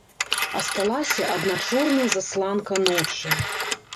Асталася адна чорная засланка ночы.